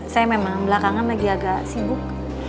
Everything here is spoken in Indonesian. saya memang belakangan lagi agak sibuk